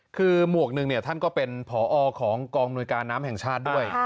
คือหมวกหนึ่งท่านก็เป็นผอของกองอำนวยการน้ำแห่งชาติด้วย